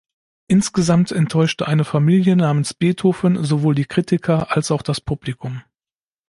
Insgesamt enttäuschte "Eine Familie namens Beethoven" sowohl die Kritiker als auch das Publikum.